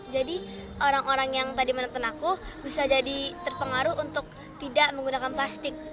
jadi orang orang yang tadi menonton aku bisa jadi terpengaruh untuk tidak menggunakan plastik